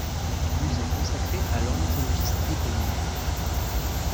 Musée consacré à l'ornithologiste éponyme.